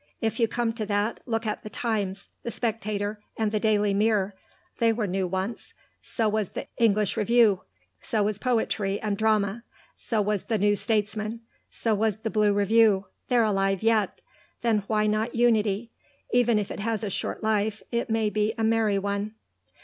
If you come to that, look at the Times, the Spectator, and the Daily Mirror. They were new once. So was the English Review; so was Poetry and Drama; so was the New Statesman; so was the Blue Review. They're alive yet. Then why not Unity? Even if it has a short life, it may be a merry one."